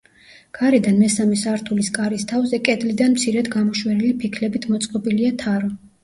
გარედან მესამე სართულის კარის თავზე კედლიდან მცირედ გამოშვერილი ფიქლებით მოწყობილია თარო.